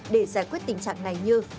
để giải quyết tình trạng này như